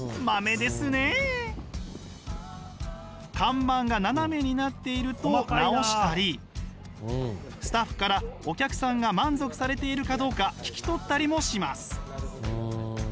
看板が斜めになっていると直したりスタッフからお客さんが満足されているかどうか聞き取ったりもします。